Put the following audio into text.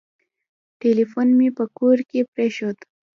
ټلیفون مي په کور کي پرېښود .